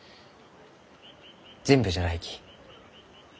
全部じゃないき。